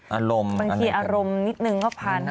อารมณ์บางทีอารมณ์นิดนึงก็พัน